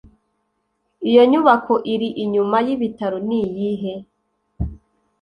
Iyo nyubako iri inyuma yibitaro niyihe?